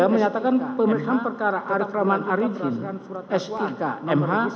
tiga menyatakan pemeriksaan perkara arif rahman arifin sikmh